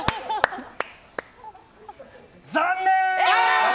残念！